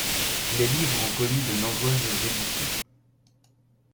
Les livres ont connu de nombreuses éditions.